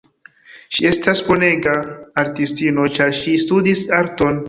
Ŝi estas bonega artistino ĉar ŝi studis arton.